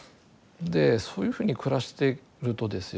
そういうふうに暮らしてるとですよ